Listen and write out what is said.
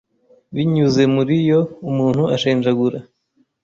Binyuze muriyo umuntu ashenjagura